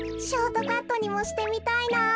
ショートカットにもしてみたいな。